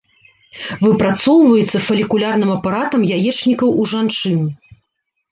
Выпрацоўваецца фалікулярным апаратам яечнікаў у жанчын.